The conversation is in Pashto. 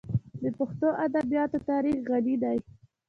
د پښتو ادبیاتو تاریخ غني دی.